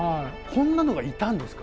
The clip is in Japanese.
こんなのがいたんですか？